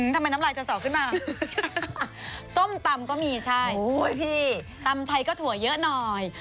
น้ำลายจะสอขึ้นมาส้มตำก็มีใช่พี่ตำไทยก็ถั่วเยอะหน่อย